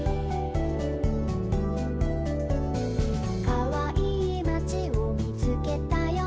「かわいいまちをみつけたよ」